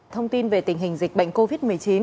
thông tin về tình hình dịch bệnh covid một mươi chín